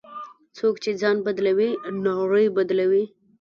څوک چې ځان بدلوي، نړۍ بدلوي.